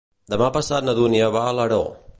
Demà passat na Dúnia va a Alaró.